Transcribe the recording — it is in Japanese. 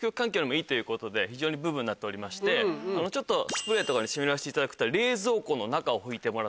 非常にブームになっておりましてちょっとスプレーとかで湿らせていただくと。